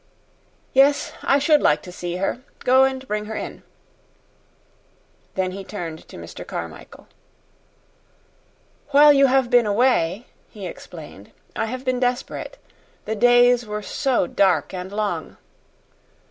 "Yes, I should like to see her. Go and bring her in." Then he turned to Mr. Carmichael. "While you have been away," he explained, "I have been desperate. The days were so dark and long.